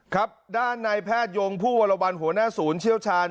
ครับด้านในแพทยงผู้วรวรรณหัวหน้าศูนย์เชี่ยวชาญ